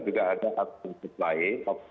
juga ada artus yang lain